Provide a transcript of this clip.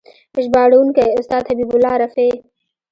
ژباړونکی: استاد حبیب الله رفیع